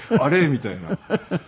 みたいな。